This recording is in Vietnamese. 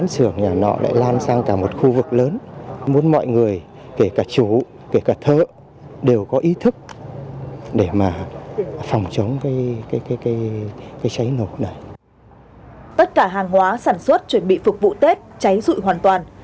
tất cả hàng hóa sản xuất chuẩn bị phục vụ tết cháy dụi hoàn toàn